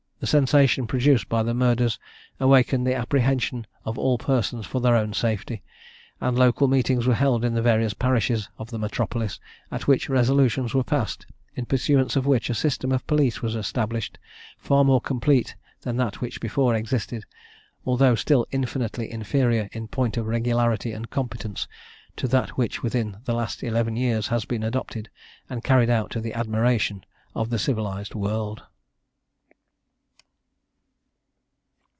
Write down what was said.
The sensation produced by the murders awakened the apprehension of all persons for their own safety; and local meetings were held in the various parishes of the metropolis, at which resolutions were passed, in pursuance of which a system of police was established far more complete than that which before existed, although still infinitely inferior in point of regularity and competence to that which within the last eleven years has been adopted and carried out to the admiration of the civilised world.